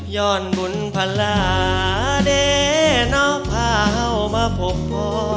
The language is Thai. ย้อนบุญภาระเดเนาะพาเผ่ามาพบพ่อ